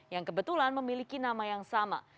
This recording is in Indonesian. yang kebetulan memiliki nama yang sama